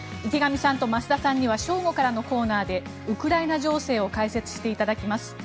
池上さんと増田さんには正午からこのコーナーでウクライナ情勢を解説していただきます。